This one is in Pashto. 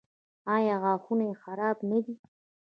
ایا غاښونه یې خراب نه دي؟